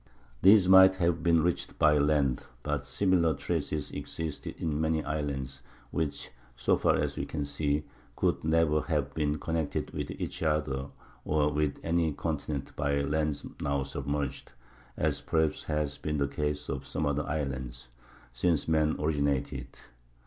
These might have been reached by land; but similar traces exist in many islands which, so far as we can see, could never have been connected with each other or with any continent by lands now submerged (as perhaps has been the case in some other islands) since man originated.